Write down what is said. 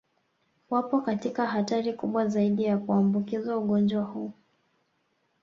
Wapo katika hatari kubwa zaidi ya kuambukizwa ugonjwa huu